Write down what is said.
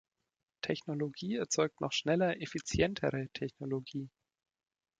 Technologie erzeugt noch schneller effizientere Technologie.